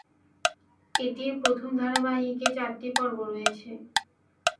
এটির প্রথম ধারাবাহিকে চারটি পর্ব রয়েছে।